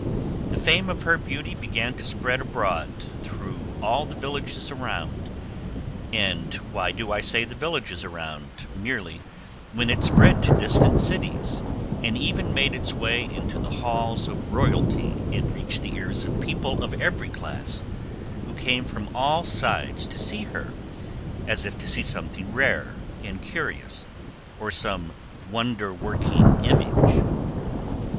The fame of her beauty began to spread abroad through all the villages around but why do I say the villages around, merely, when it spread to distant cities, and even made its way into the halls of royalty and reached the ears of people of every class, who came from all sides to see her as if to see something rare and curious, or some wonder working image?